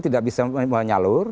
tidak bisa menyalur